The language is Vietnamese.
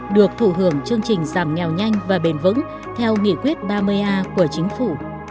được thụ hưởng chương trình giảm nghèo nhanh và bền vững theo nghị quyết ba mươi a của chính phủ